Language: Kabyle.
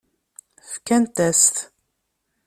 Fkant-as-t.